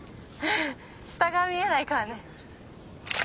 下が見えないからね。